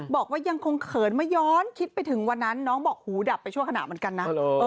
บอกว่ายังคงเขินไม่ย้อนคิดไปถึงวันนั้นน้องบอกหูดับไปชั่วขณะเหมือนกันนะ